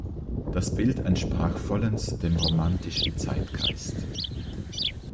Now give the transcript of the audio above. Das Bild entsprach vollends dem romantischen Zeitgeist.